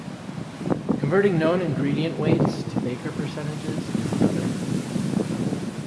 Converting known ingredient weights to baker percentages is another.